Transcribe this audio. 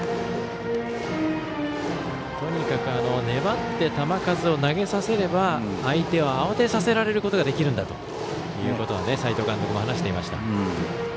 とにかく粘って球数を投げさせれば相手を慌てさせることができるんだということを斎藤監督も話していました。